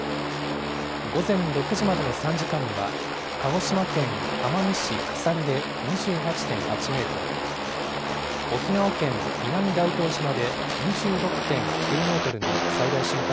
午前６時までの３時間には、鹿児島県奄美市笠利で２８．８メートル、沖縄県南大東島で２６．９メートルの最大瞬間